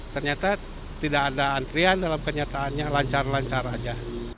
ternyata tidak ada antrian dalam kenyataannya lancar lancar saja